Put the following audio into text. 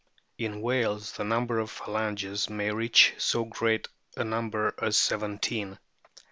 In whales the number of phalanges may reach so great a number as seven teen.